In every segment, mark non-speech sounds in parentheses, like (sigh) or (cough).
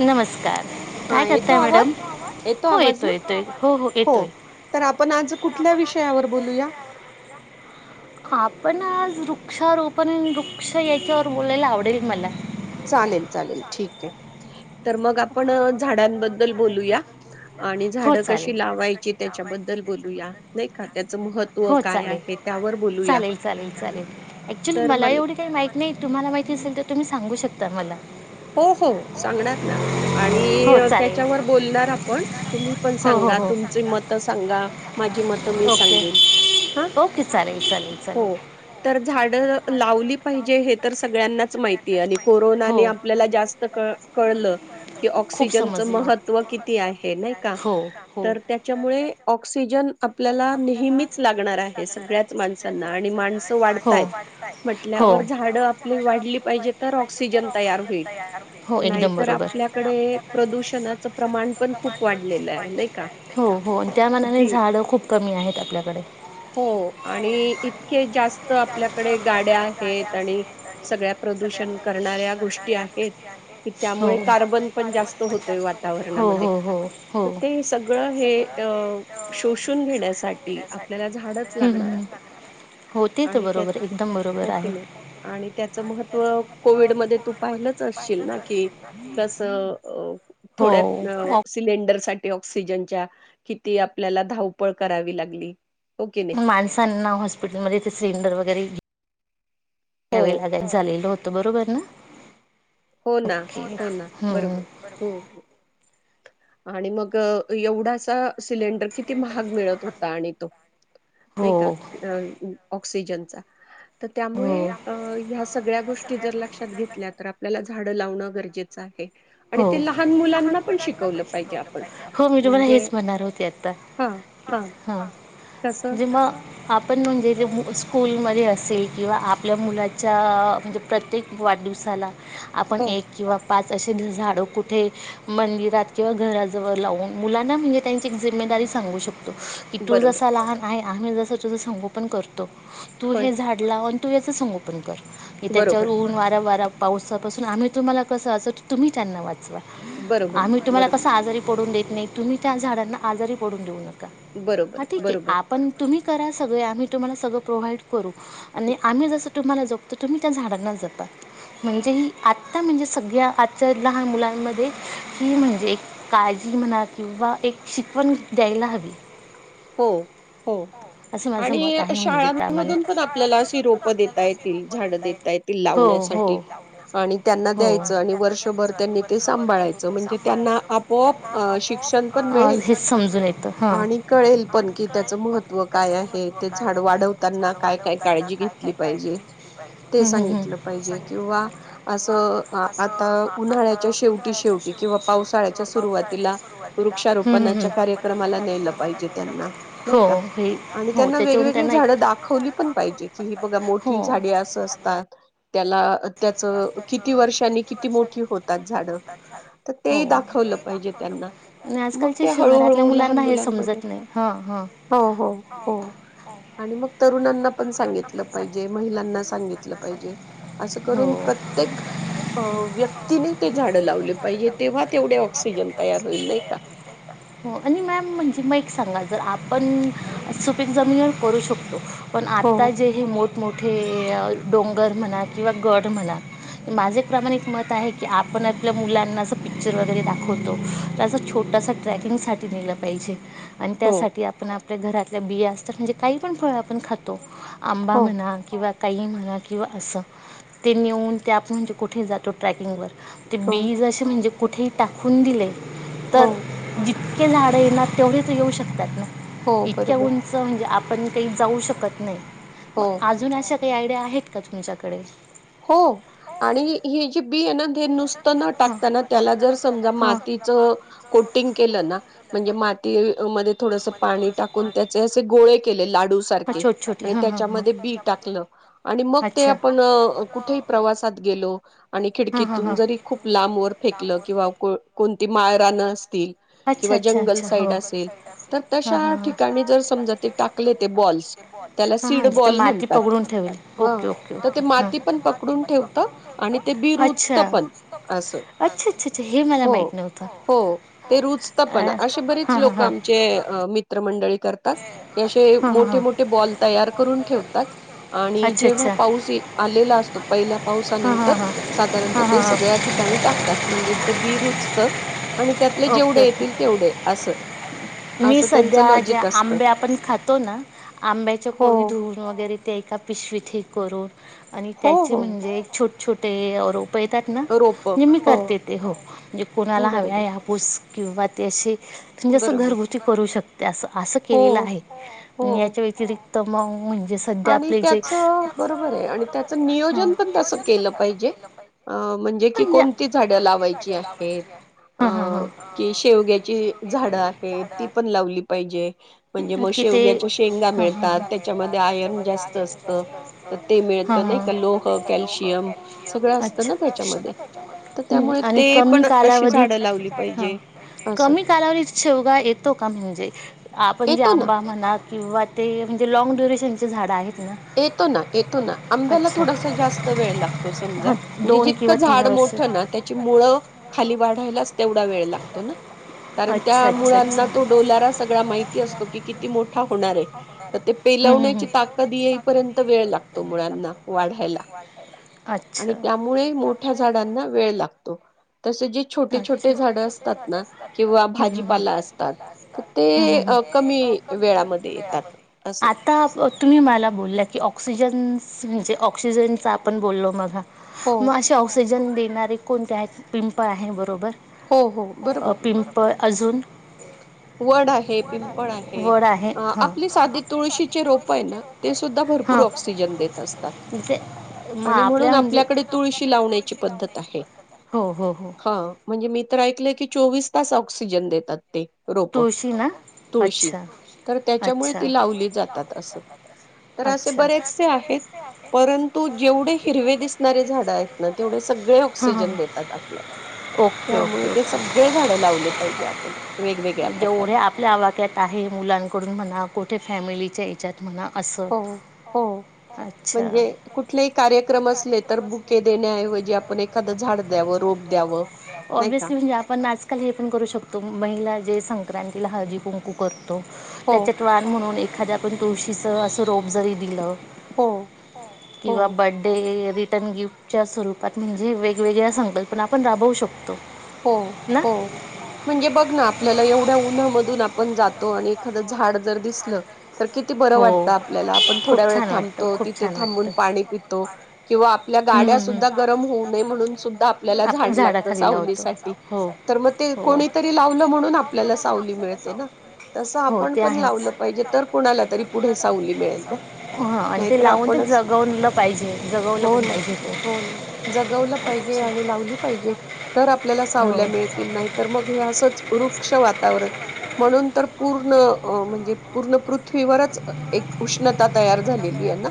नमस्कार,, हा,, ये तो आवाज,, ए तो आवाज ना. हो,, तर आपण आज कुठल्या विषयावर बोलूया? आपण आज, वृक्षारोपण, वृक्ष याच्यावर बोलायला आवडेल मला. चालेल, चालेल, ठीक आहे. तर मग आपण झाडांबद्दल बोलूया,, आणि झाड कशी लावायची? त्याच्याबद्दल बोलूया,, नाही का, त्याचं महत्त्व काय आहे त्यावर बोलूया. चालेल चालेल,, ऍक्च्युली मला, एवढी काही माहीत नाही, तुम्हाला माहिती असेल तर तुम्ही सांगू शकता मला. हो हो,, सांगणार ना. आणि त्याच्यावर बोलणार आपण,, तुम्ही पण सांगा तुमचे मतऽ सांगा,, माझी मत मी सांगेन,, हं,, हो. तर झाड लावली पाहिजे,, हे तर सगळ्यांनाच माहितीय,, आणि कोरोनानेऽ क क ऑसिजनच महत्व किती आहे नाही का त्याच्यामुळे ऑक्सिजन आपल्याला नेहमीच लागणार आहे सगळ्याच माणसांना आणि माणसं वाढतायत म्हटल्यावर झाड आपली वाढली पाहिजे तर ऑक्सिजन तयार होईल नाहीतर आपल्याकडे प्रदूषणाच प्रमाण पण खूप वाढलेलं आहे,, नाही का? हो हो आणि त्या मनाने झाड खूप कमी आहेत आपल्याकडे. हो,, आणि इतके जास्त आपल्याकडे गाड्या आहेत,, आणिऽ सगळ्या प्रदूषण करणाऱ्या गोष्टीऽ त्यामुळे कार्बन पण जास्त होतय वातावरणामध्ये,, तर ते सऽ सगळ हे,, शोषून घेण्यासाठी, आपल्याला झाडच लागणार आहे. होतीच बरोबर एकदम बरोबर आहे आणि त्याचं महत्त्व कोविडमध्ये तू पाहिलंच असश ना की कस थोड्यात सिलेंडर साठी ऑक्सिजनच्या किती आपल्याला धावपळ करावी लागली ओके माणसांना हॉस्पिटलमध्येथे सिलेंडर वगैरे घ्यावे लाग झालेलं होतं बरोबर ना हो ना हो ना बरोबर हम् आणि मग एवढासा सिलेंडर किती महाग मिळत होता आणि तो नाही का अ ऑक्सिजनचा तर त्यामुळे अ ह्या सगळ्या गोष्टी जर लक्षात घेतल्या तर झाड लावणं गरजेचं आहे आणि ते लहान मुलांना पण शिकवलं पाहिजे आपण म्हणजे हा हा जेव्हा आपण म्हणजे स्कूलमध्ये असेल किंवा आपल्या मुलाच्या म्हणजे प्रत्येक वाढदिवसाला आपण एक किंवा पाच असे झाड कुठे मंदिरात किंवा घराजवळ लावून मुलांना म्हणजे त्यांची एक जिम्मेदारी सांगू शको त क तू जसा लहान आहे आम्ही जसं तुझं संगोपन करतो तू हे झाड लाव आणिन तू याचं संगोपन आपण कर की त्याच्यावर ऊन वारा वारा पावसापासून आम्ही तुम्हाला कसं अस तुम्ही त्यांना वाचवा आम्ही तुम्हाला कस आजारी पडून देत नाही तुम्ही त्या झाडांना आजारी पडून देऊ नका हा ठीक आहे आप पण तुम्ही करा सगळे आम्ही तुम्हाला सगळं प्रोव्हाइड करू आणि आम्ही जसं तुम्हाला जोपतो तुम्ही त्या झाडांनाच जाता म्हणजे ही आता म्हणजे सगळ्या आजच्या लहान मुलांमध्ये ही म्हणजे काळजी म्हणा किंवा एक शिकवण द्यायला हवी. हो. हो. असं माझं मत आहे म्हणजे प्रामाणिक. हो, हो, हो. हेच समजून ये - - त. कळेल पण की त्याचं महत्त्व काय आहे. ते झाड वाढवताना काय काय काळजी घेतली पाहिजे. ते सांगितलं पाहिजे किंवा अस आता - - उन्हाळ्याच्या शेवटी शेवटी किंवा पावसाळ्याच्या सुरुवातीला वृक्षारोपणाच्या कार्यक्रमाला नेल पाहिजे त्यांना नाही का. आणि त्यांना वेगवेगळी झाडं दाखवली पण पाहिजे की हे बघा मोठी झाडे असं अस - - तात. त्याला त्याचं किती वर्षांनी किती मोठी होतात झाड तर तेही दाखवलं पाहिजे त्यांना. मग ते हळूहळू लहान मुलांमध्ये- - हो, हो, हो आणि मग तरुणांना पण सांगितलं पाहिजे. महिलांना सांगितलं पाहिजे, असं करून प्रत्येक अ व्यक्तीने ते झाडं लावले पाहिजे, तेव्हा तेवढे ऑक्सिजन तयार होईल नाही का. (inaudible) हो आणि मॅम म्हणजे मग एक सांगा. जर आपण सुपीन जमिनीवर करू शकतो पण आता जे हे मोठमोठे डोंगर म्हणा किंवा गड म्हणा. माझे एक प्रमाणिक मत आहे की आपण आपल्या मुलांना अस पिक्चर वगैरे दाखवतो असं छोटासा ट्रॅकिंगसाठी नेलं पाहिजे. आणि त्यासाठी आपण आपल्या घरातल्या बिया असतात म्हणजे काही पण फळ आपण खातो. आंबा म्हणा किंवा काई म्हणा किंवा असं ते नेऊन ते आपण म्हणजे कुठे जातो ट्रॅकिंगवर ते बीज असे म्हणजे कुठेही टाकून दिले, तर जितके झाडं येणार तेवढेच येऊ शकतात ना. इतक्या उंच म्हणजे आपण काही जाऊ शकत नाही. मग आ- - जून अशा काही आयडिया आहेत का तुमच्याकडे? हो आणि हे जे बी आहे ना हे नुसतं न टाकताना त्याला जर समजा मातीच कोटिंग केलं ना म्हणजे मातीमध्ये थोडस पाणी टाकून त्याचे असे गोळे केले. लाडू - - सारखे आणि त्यामध्ये बी टाकल आणि मग ते आपण - - प्रवासात गेलो आणि खिडकीतून जरी खूप लांब वर फेकलं किंवा कोणती माळरान असतील- - कि जंगल साईड असेल तर तशा ठिकाणी जर समजा ते टाकले ते बॉल्स - - त्याला सीड बॉल म्हणतात तर ते माती पण पक डून ठेवत आणि ते बि रुजत पण. अच्छा, अच्छा, अच्छा. हे मला माहित नव्हतं. हो. ते रुजत पण असे बरेच लोक आमचे मित्रमंडळी कर तात ते अशे मोठे मोठे बॉल तयार करून ठेवतात. आणि जेव्हा पाऊस इ आलेला असतो. पहिल्या पावसानंतर साधारणत ते सगळ्या - - ठिकाणी टाकतात म्हणजे ते बी रुचत आणि त्यातले जेवढे येतील तेवढे असं - - मी सध्या ज्या आंबे आपण खातो ना आंब्याच्या कोई धुवुन वगैरे ते एका पिशवीत हे करून आणि त्याचे म्हणजे एक छोट छोटे रोप येतात ना येतात ना म्हणजे मी करते ते हो म्हणजे कोणाला हव्याय हा पूस किंवा ते अशे बरोबर. करू शकते असं असं केलेलं आहे याच्या व्यतिरिक्त म म्हणजे च आणि त्याच बरोबरये आणि त्याचं नियोजन पण तसं केलं पाहिजे. अ म्हणजे कि कोणती झाडं लावायची आहेत? अ कि शेवग्याची झाडं आहेत. ती पण लावली पाहिजे. मग तिथे हां, अच्छा. हम्म आणि कमी कालावधीत ह. कमी कालावधीत शेवगा येतो का म्हणजे, आपण जे आंबा म्हणा किंवा ते म्हणजे लाँग ड्युरेशनचे झाड आहेत ना. येतो ना. येतो ना. आंब्याला थोडासा जास्त वेळ लागतो समजा. म्हणजे जितकं झाड मोठं ना. त्याची मुळ खाली वाढायलाच तेवढा वेळ लागतो ना. कारण त्या मुळाना तो, डोलारा सगळा माहित असतो की, किती मोठा होणार आहे. तर ते पेलवण्याची ताकद येई पर्यंत वेळ लागतो. मुळांना वाढायला आणि त्यामुळे मोठ्या झाडांना वेळ लागतो. तशी जी छोटे छोटे झाड असतात ना. किंवा भाजीपाला असतात तर ते कमी वेळामध्ये येतात असं. आता तुम्ही मला बोलला की, ऑक्सिजन्स म्हणजे ऑक्सिजनचा आपण बोललो मघा. मग असे ऑक्सिजन देणारे कोणते आहेत. पिंपळ आहे बरोबर. पिंपल अजून वड आहे, पिंपळ आहे. आपली साधी तुळशीचे रोप आहे ना ते सुद्धा भरपूर ऑक्सिजन देत असतात. आणि म्हणून आपल्याकडे तुळशी लावण्याची पद्धत आहे. हो हो हो. म्हणजे मी तर ऐकलंय की, चोवीस तास ऑक्सिजन देतात ते. रोप, तुळशी तर त्याच्यामुळे ती लावली जातात असं. तर असे बरेचसे आहेत. परंतु जेवढे हिरवे दिसणारे झाड आहेत ना तेवढे सगळे ऑक्सिजन देतात आपल्याला त्यामुळे ते सगळे झाड लावले पाहिजे. आपण जेवढ्या आपल्या आवाक्यात आहे. मुलांकडून म्हणा कुठे फॅमिलीच्या हे च्यात म्हणा असं. म्हणजे कुठलेही कार्यक्रम असले. तर बुके देण्याऐवजी आपण एक एखादं झाड द्यावं. रोप द्यावं. ओबवेस्ली म्हणजे आपण पण हे पणकरू शकतो. महिला जे संक्रांतिला जे हळदी-कुंकू करतो. त्याच्या वान म्हणून एखाद्या आपण तुळशीचं असं रोप जरी दिलं किंवा बड्डे री टर्न गिफ्टच्या स्वरूपात म्हणजे वेगवेगळ्या संकल्पना आपण राबवू शकतो. हो हो. म्हणजे बघ ना आपल्याला एवढ्या उन्हामधून आपण जातो आणि एखादं झाड जर दिसलं. तर किती बरं वाटतं आपल्याला. आपण थोडा वेळ थांबतो. तिथे थांबून पाणी पितो. किंवा आपल्या गाड्या सुद्धा गरम होऊ नये. म्हणून सुद्धा आपल्याला झाड लागत. सावली साठी. तर मग ते कोणीतरी लावलं. म्हणून आपल्याला सावली मिळते ना. तसं आपण पण लावलं पाहिजे. तर कोठे कुणाला तरी पुढे सावली मिळेल ना. नाहीतर आपणच पाहिजे. जेव्हा. हो ना. हो ना. जगवलं पाहिजे आणि लावली पाहिजे तर आपली आपल्याला सावल्या मिळतील. नाही तर मग हे असंच वृक्ष वातावरण. म्हणून तर पूर्ण म्हणजे पूर्ण पृथ्वीवरच एक उष्ण ता तयार झालेली आहे ना.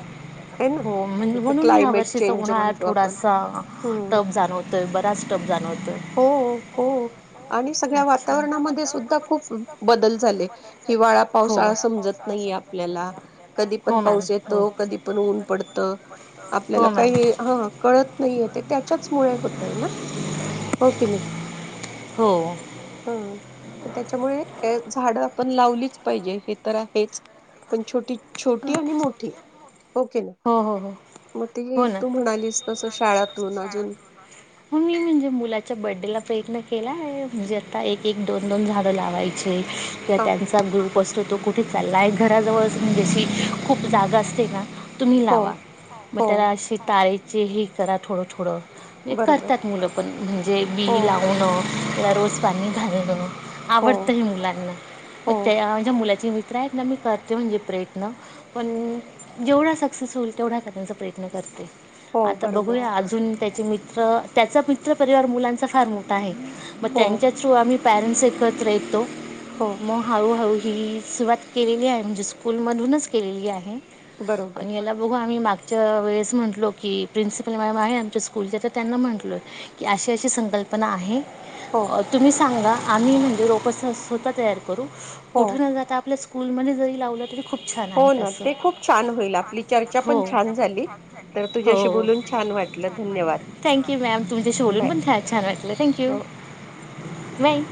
हो, म्हणून ह्या वर्षीचा उन्हाळाथोडासा टफ जाणवतोय. तर बराच टप जाणवतोय. हो हो. आणि सगळ्या वातावरणामध्ये सुद्धा खूप बदल झाले हिवाळा पावसाळा समजत नाही या आपल्याला कधी पण पाऊस येतो कधी पण ऊन पडत आपल्याला काही ह कळत नाही य ते त्याच्याच मु होतय ना ओके ना हम तर त्याच्यामुळे झाड आपण लावलीच पाहिजे हे तर आहेच पण छोटी छोटी आणि मोठी ओके ना मग त तू म्हणालीस तस शाळातून अजून बा मग मी म्हणजे मुलाच्या बर््डेला प्रयत्न केलाय म्हणजे आता एक एक दोन दोन झाडं लावायचे किंवा त्यांचा गुरु कष्ट तो कुठे चालला आहे घराजवळच म्हणजेशी खूप जागा असते का तुम्ही लावा मग त्याला श ताळेचे हे करा थोडं थोडं म्हणजे करतात मुलं पण म्हणजे बी लावणं तला रोज पाणी घाल म्हण आवडतं हे मुलांना त्या माझ्या मुलाची वित्र आहेत ना मी करते म्हणजे प्रेट ना पण जेवढा सक्सेस होईल तेवढा त्यांचा प्रयत्न करते आता बघूया अजून त्याचे मित्र त्याचा मित्र पररिवार मुलांचा फार मोठा मग त्यांच्या थ्रू आम्ही पॅरेंट्स एकत्र येतो हो मग हळूहळू ही सुरुवात केलेली आहे म्हणजे स्कूलमधूनच केलेली आहे आणि याला बघोम् मागच्या वेळेस म्हटलो की प्रिंसिपल म्ह मा आमच्या स्कूल जेतं त्यांना म्हटलं की अशी अशी संकल्पना आहे तुम्ही सांगा आम्ही म्हणजे रोपचा स्वतः तयार करू कठे न जाता आपल्या स्कूलमध्ये जरी लावलं तरी खूप हो ना ते खूप छान होईल आपली चर्चा पण छान झाली तर तुझ्याशी बोलून छान वाट लं धन्यवाद थँक्यू मॅम तुमच्याशी बोलून पण छान छान वाटलं थँक्यू बाय